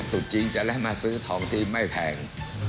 จุดจริงจะได้มาซื้อทองที่ไม่แพง